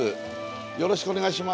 よろしくお願いします。